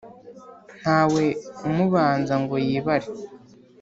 nta we umubanza ngo yibare,